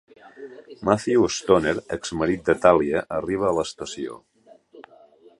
Matthew Stoner, ex-marit de Talia, arriba a l'estació.